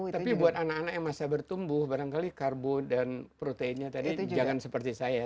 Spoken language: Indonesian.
tapi buat anak anak yang masih bertumbuh barangkali karbo dan proteinnya tadi jangan seperti saya